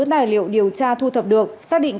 tài liệu điều tra thu thập được xác định